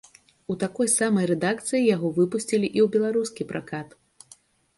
У такой самай рэдакцыі яго выпусцілі і ў беларускі пракат.